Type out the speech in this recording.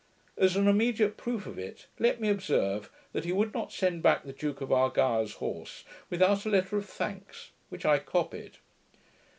As an immediate proof of it, let me observe, that he would not send back the Duke of Argyle's horse without a letter of thanks, which I copied.